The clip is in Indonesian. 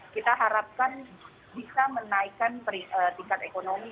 kita harapkan bisa menaikkan tingkat ekonomi